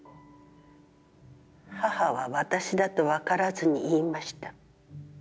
母は私だと分からずに言いました。